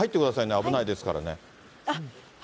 危ないですからね。